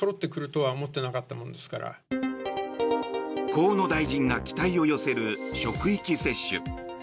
河野大臣が期待を寄せる職域接種。